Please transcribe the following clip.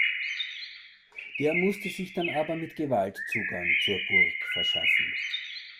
Der musste sich dann aber mit Gewalt Zugang zur Burg verschaffen.